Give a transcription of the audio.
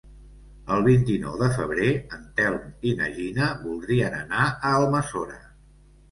El vint-i-nou de febrer en Telm i na Gina voldrien anar a Almassora.